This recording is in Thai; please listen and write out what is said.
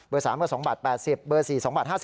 เบอร์๓ก็๒๘๐บาทเบอร์๔๒๕๐บาท